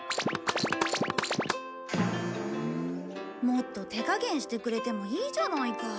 もっと手加減してくれてもいいじゃないか。